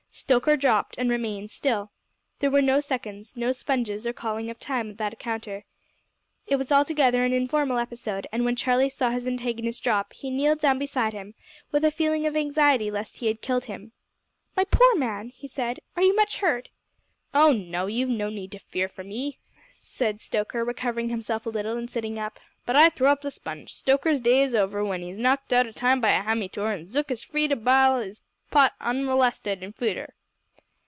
Stoker dropped and remained still. There were no seconds, no sponges or calling of time at that encounter. It was altogether an informal episode, and when Charlie saw his antagonist drop, he kneeled down beside him with a feeling of anxiety lest he had killed him. "My poor man," he said, "are you much hurt?" "Oh! you've no need to fear for me," said Stoker recovering himself a little, and sitting up "but I throw up the sponge. Stoker's day is over w'en 'e's knocked out o' time by a hammytoor, and Zook is free to bile 'is pot unmorlested in futur'."